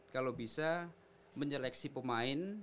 kalau bisa menyeleksi pemain